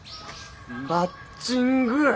マッチング！